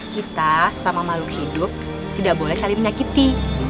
kita sama makhluk hidup tidak boleh saling menyakiti